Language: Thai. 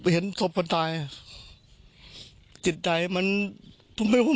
เห็นพวกทุกคนตายจิตใดมันผมไม่ไหวจะพูด